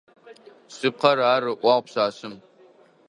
Шъыпкъэ ар,— ыӏуагъ пшъашъэм.